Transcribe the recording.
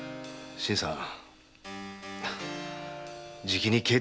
新さん！